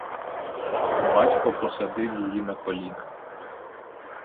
Батько посадив її на коліна.